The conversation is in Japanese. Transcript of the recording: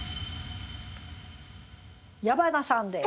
矢花さんです。